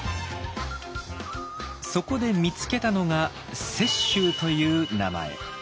そこで見つけたのが「雪舟」という名前。